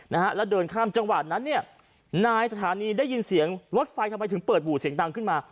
นะฮะแล้วเดินข้ามจังหวัดนั้นเนี่ยนายสถานีได้ยินเสียงรถไฟทำไมถึงเปิดบู่เสียงดังขึ้นมา